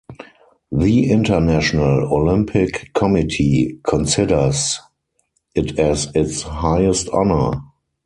The International Olympic Committee considers it as its highest honour.